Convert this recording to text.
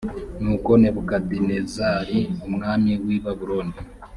nuko nebukadinezari umwami w i babuloni